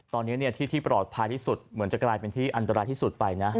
ตอนนี้ที่ที่ปลอดภัยที่สุดเหมือนจะกลายเป็นที่อันตรายที่สุดไปนะ